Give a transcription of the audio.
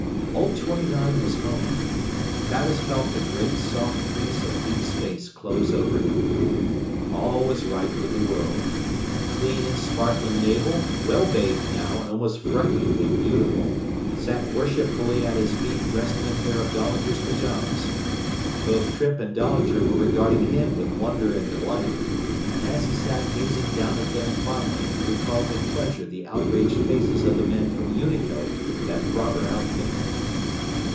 Old 29 was homing. Travis felt the great soft peace of deep space close over him. All was right with the world. A clean and sparkling Navel, well bathed now and almost frighteningly beautiful, sat worshipfully at his feet dressed in a pair of Dahlinger's pajamas. Both Trippe and Dahlinger were regarding him with wonder and delight, and as he sat gazing down at them fondly he recalled with pleasure the outraged faces of the men from Unico, that robber outfit.